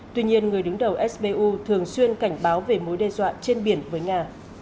tuy nhiên người đứng đầu sbu thường xuyên cảnh báo về mối đe dọa trên biển với nga